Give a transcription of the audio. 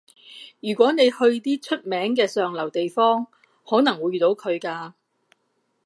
如果你去啲出名嘅上流地方，可能會遇到佢㗎